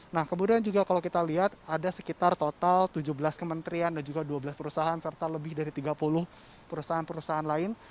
nah kemudian juga kalau kita lihat ada sekitar total tujuh belas kementerian dan juga dua belas perusahaan serta lebih dari tiga puluh perusahaan perusahaan lain